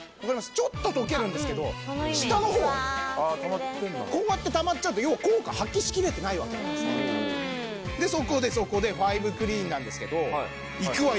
ちょっと溶けるんですけど下の方こうやってたまっちゃうと要は効果発揮しきれてないわけなんですけどでそこでそこでファイブクリーンなんですけどいくわよ